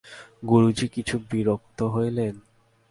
গুরুজি কিছু বিরক্ত হইলেন।